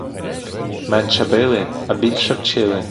Менше били, а більше вчили.